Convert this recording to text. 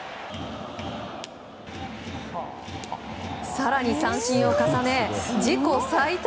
更に三振を重ね自己最多